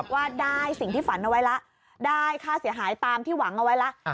ว่าได้สิ่งที่ฝันเอาไว้แล้วได้ค่าเสียหายตามที่หวังเอาไว้แล้ว